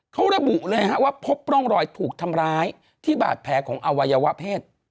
เขาระบุเลยว่าพบร่องรอยถูกทำร้ายที่บาดแผลของอวัยวะเพศ